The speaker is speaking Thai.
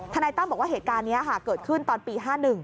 นายตั้มบอกว่าเหตุการณ์นี้เกิดขึ้นตอนปี๕๑